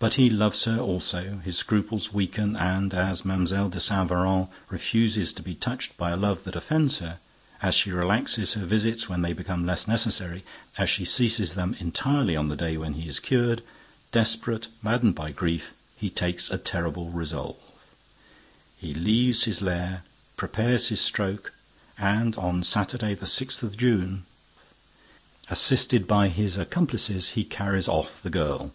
But he loves her also, his scruples weaken and, as Mlle. de Saint Véran refuses to be touched by a love that offends her, as she relaxes her visits when they become less necessary, as she ceases them entirely on the day when he is cured—desperate, maddened by grief, he takes a terrible resolve. He leaves his lair, prepares his stroke and, on Saturday the sixth of June, assisted by his accomplices, he carries off the girl.